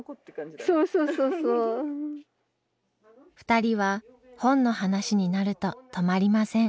２人は本の話になると止まりません。